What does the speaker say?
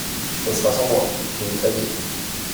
Ce sera sans moi, j'ai une famille.